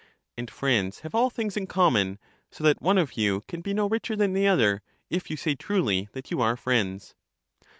And friends have all things in common, so that one of you can be no richer than the other, if you say truly that you are friends.